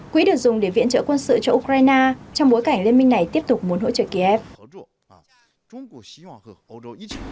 quỹ được dùng để viện trợ quân sự cho ukraine trong bối cảnh liên minh này tiếp tục muốn hỗ trợ kiev